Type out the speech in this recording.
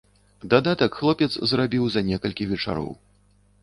Дадатак хлопец зрабіў за некалькі вечароў.